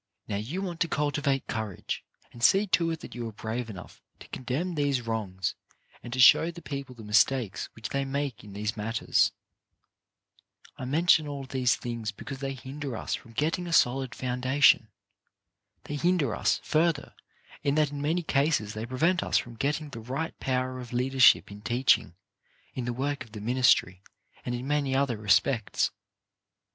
Now you want to cultivate courage, and see to it that you are brave enough to condemn these wrongs and to show the people the mistakes which they make in these matters. I mention all these things because they hinder us from getting a solid foundation. They hinder us, further, in that in many cases they prevent us from getting the right power of leadership in teaching, in the work of the ministry, and in many other respects.